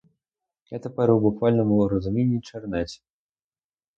Я тепер у буквальному розумінні чернець.